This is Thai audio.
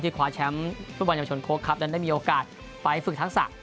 ที่คว้าแชมป์บริษัทเยาวชนโค๊กครับแล้วได้มีโอกาสไปฝึกทักษะ